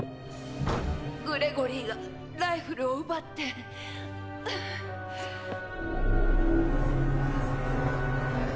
グレゴリーがライフルを奪ってうっ。